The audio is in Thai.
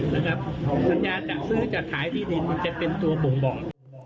นะครับทัญญาจะซื้อจะขายที่ดินเขาจะเป็นตัวบ่งบ่อน